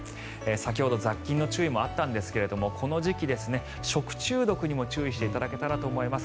先ほど雑菌の注意もあったんですがこの時期食中毒にも注意していただけたらと思います。